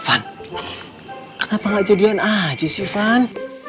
van kenapa gak jadian aja sih van